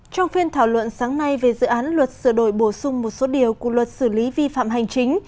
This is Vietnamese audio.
trong phiên thảo luận sáng nay về dự án luật sửa đổi bổ sung một số điều của luật xử lý vi phạm hành chính